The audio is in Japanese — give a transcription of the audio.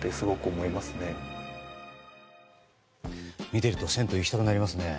見てると銭湯に行きたくなりますね。